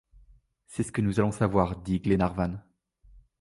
C’est ce que nous allons savoir, dit Glenarvan.